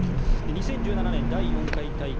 ２０１７年、第４回大会